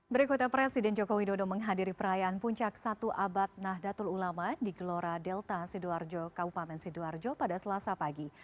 berikutnya presiden joko widodo menghadiri perayaan puncak satu abad nahdlatul ulama di gelora delta sidoarjo kabupaten sidoarjo pada selasa pagi